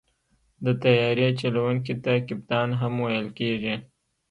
د طیارې چلوونکي ته کپتان هم ویل کېږي.